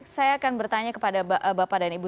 saya akan bertanya kepada bapak dan ibu